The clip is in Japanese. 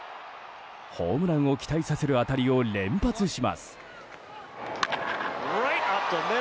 ホームランを期待させる当たりを連発します。